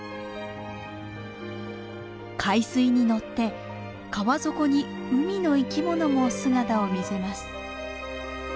海水に乗って川底に海の生きものも姿を見せます。